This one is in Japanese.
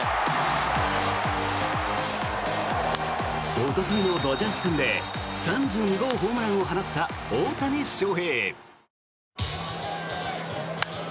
おとといのドジャース戦で３２号ホームランを放った大谷翔平。